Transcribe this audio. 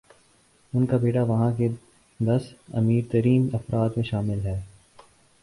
ان کا بیٹا وہاں کے دس امیرترین افراد میں شامل ہے۔